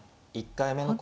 １回目の。